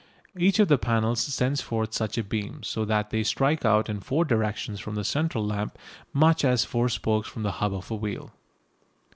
Each of the panels sends forth such a beam, so that they strike out in four directions from the central lamp much as four spokes from the hub of a wheel.